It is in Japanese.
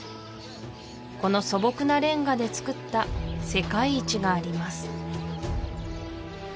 この素朴なレンガでつくった世界一があります